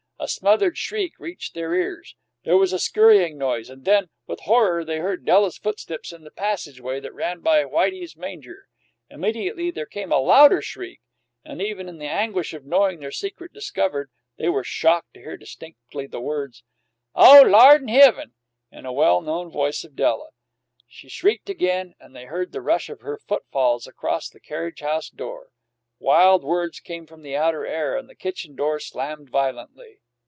A smothered shriek reached their ears; there was a scurrying noise, and then, with horror, they heard Della's footsteps in the passageway that ran by Whitey's manger. Immediately there came a louder shriek, and even in the anguish of knowing their secret discovered, they were shocked to hear distinctly the words, "O Lard in hivvin!" in the well known voice of Della. She shrieked again, and they heard the rush of her footfalls across the carriage house floor. Wild words came from the outer air, and the kitchen door slammed violently.